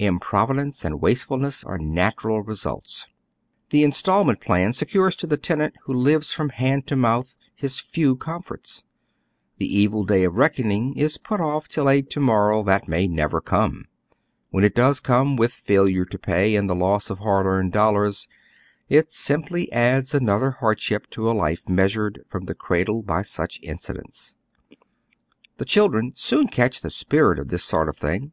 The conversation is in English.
Improvidence and wastefulness are natural results. The instalment plan secures to the tenant who lives from hand to mouth liis few comforts; the evil day of reckoning is put off till a to morrow that may never come. When it does come, with failnre to pay and the loss of hard earned dollars, it simply adds another hardship to a life measured from the cradle by such incidents. The children soon catch the spirit of this sort of thing.